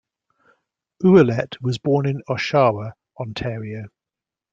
Ouellette was born in Oshawa, Ontario.